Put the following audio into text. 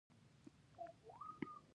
مونږ ته هر گوله مرگۍ دۍ، چی دبل په ست یی ژوو